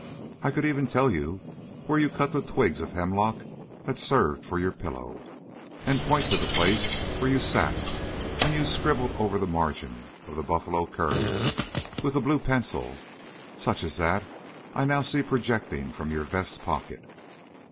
I could even tell you where you cut the twigs of hemlock that served you for a pillow, and point to the place where you sat when you scribbled over the margin of the Buffalo Courier with a blue pencil, such as that I now see projecting from your vest pocket."